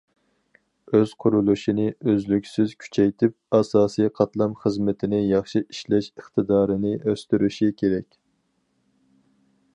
ئۆز قۇرۇلۇشىنى ئۈزلۈكسىز كۈچەيتىپ، ئاساسىي قاتلام خىزمىتىنى ياخشى ئىشلەش ئىقتىدارىنى ئۆستۈرۈشى كېرەك.